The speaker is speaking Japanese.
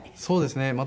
そうですね。